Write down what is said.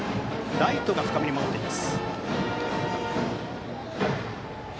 ライトが深めに守っています。